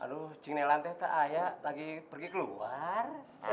aduh cing nella nanti teh ayah lagi pergi keluar